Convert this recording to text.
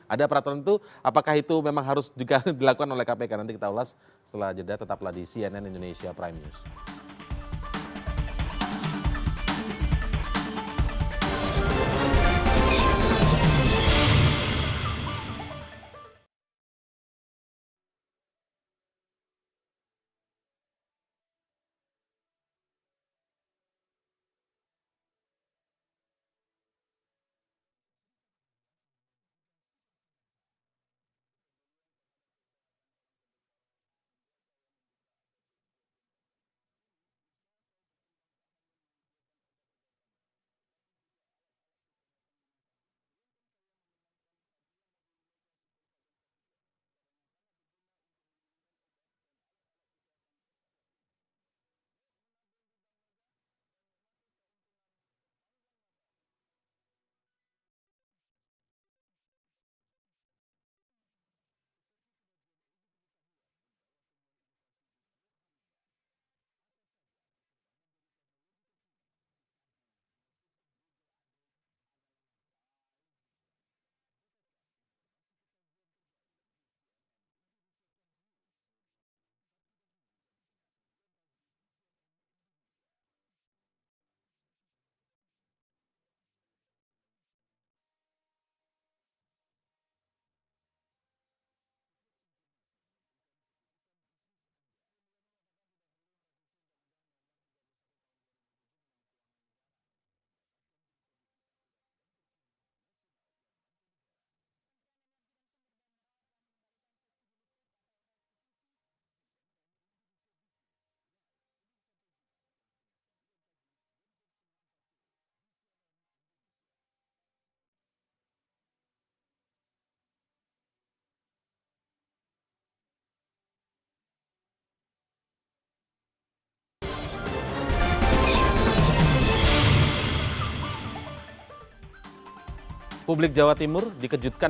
ada peraturan itu apakah itu memang harus juga dilakukan oleh kpk